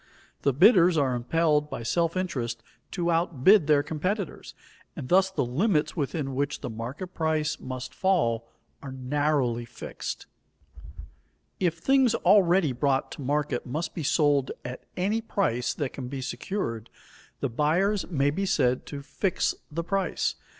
The bidders are impelled by self interest to outbid their competitors, and thus the limits within which the market price must fall are narrowly fixed. [Sidenote: Buyers fix price of perishable goods] If things already brought to market must be sold at any price that can be secured, the buyers may be said to fix the price.